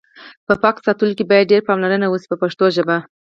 په پاک ساتلو کې باید ډېره پاملرنه وشي په پښتو ژبه.